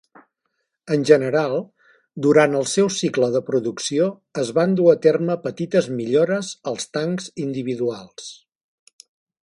En general, durant el seu cicle de producció es van dur a terme petites millores als tancs individuals.